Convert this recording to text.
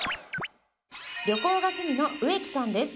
旅行が趣味の植木さんです。